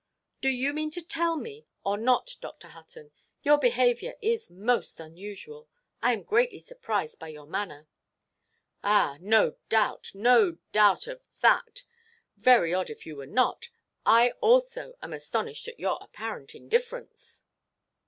"Do you mean to tell me, or not, Dr. Hutton? Your behaviour is most unusual. I am greatly surprised by your manner." "Ah, no doubt; no doubt of that. Very odd if you were not. I also am astonished at your apparent indifference."